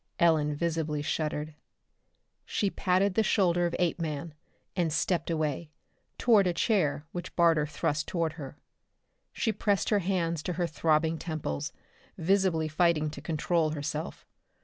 Ellen visibly shuddered. She patted the shoulder of Apeman and stepped away, toward a chair which Barter thrust toward her. She pressed her hands to her throbbing temples, visibly fighting to control herself.